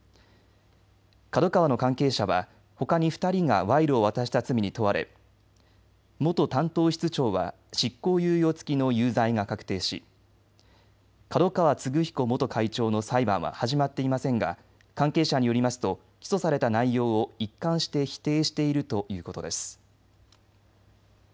ＫＡＤＯＫＡＷＡの関係者はほかに２人が賄賂を渡した罪に問われ元担当室長は執行猶予付きの有罪が確定し角川歴彦元会長の裁判は始まっていませんが関係者によりますと起訴された内容を一貫して否定しているということです。